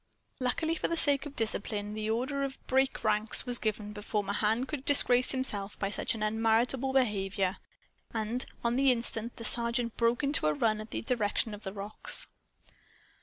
Luckily for the sake of discipline, the order of "Break ranks!" was given before Mahan could disgrace himself by such unmartial behavior. And, on the instant, the Sergeant broke into a run in the direction of the rocks.